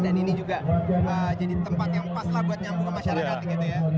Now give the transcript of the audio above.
dan ini juga jadi tempat yang pas lah buat nyambung ke masyarakat gitu ya